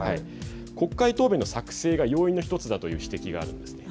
国会答弁の作成が要因の一つという指摘があります。